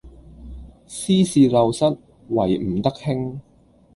斯是陋室，惟吾德馨